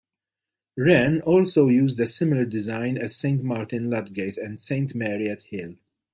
Wren also used a similar design at Saint Martin Ludgate and Saint Mary-at-Hill.